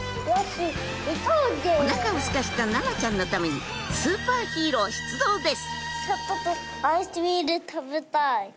おなかをすかせた奈々ちゃんのためにスーパーヒーロー出動です